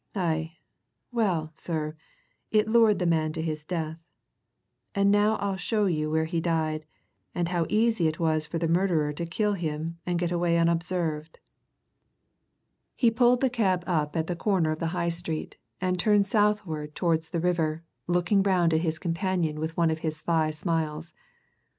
"Aye, well, sir, it lured the man to his death. And now I'll show you where he died, and how easy it was for the murderer to kill him and get away unobserved." He pulled the cab up at the corner of the High Street, and turned southward towards the river, looking round at his companion with one of his sly smiles.